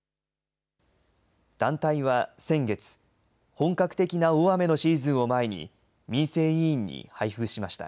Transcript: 団体は先月、本格的な大雨のシーズンを前に、民生委員に配布しました。